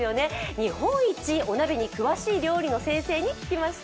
日本一お鍋に詳しい料理の先生に聞きました。